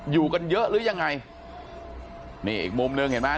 อยู่กันเยอะหรือยังไงนี่อีกมุมหนึ่งเห็นไหม